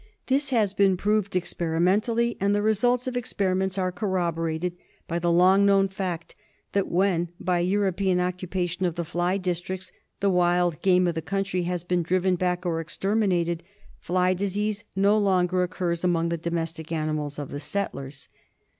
This has been proved experimentally, and | the results of experiments are corroborated by the long f known fact that when, by European occupation of the j fly districts, the wild game of the country has been 1 driven back or exterminated, fly disease no longer occurs \ among the domestic animals of the settlers.